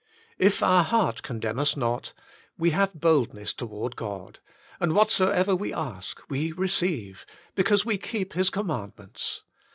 " If our heart condemn us not, we have boldness toward God; and whatsoever we ask we receive, Because We Keep His commandments.